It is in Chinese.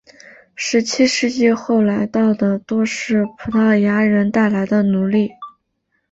十七世纪后来到的多是葡萄牙人带来的奴隶。